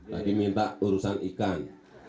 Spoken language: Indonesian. lagi minta urusan ikan